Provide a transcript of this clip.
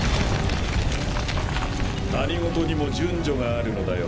何事にも順序があるのだよ